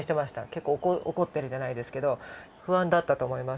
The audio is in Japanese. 結構怒ってるじゃないですけど不安だったと思います。